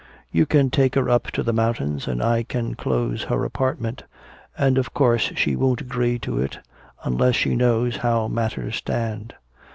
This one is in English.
You can take her up to the mountains and I can close her apartment. But of course she won't agree to it unless she knows how matters stand."